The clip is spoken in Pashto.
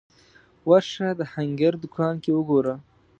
ورشه د هنګر دوکان کې وګوره